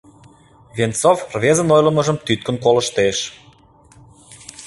Венцов рвезын ойлымыжым тӱткын колыштеш.